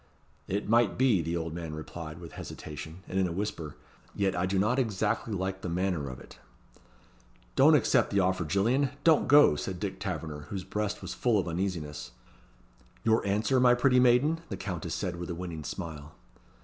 "It might be," the old man replied, with hesitation, and in a whisper; "yet I do not exactly like the manner of it." "Don't accept the offer, Gillian. Don't go," said Dick Taverner, whose breast was full of uneasiness. "Your answer, my pretty maiden?" the Countess said, with a winning smile.